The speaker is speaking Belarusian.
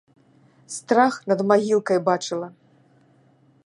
Страх над магілкай бачыла!